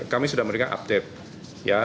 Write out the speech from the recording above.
kami sudah memberikan update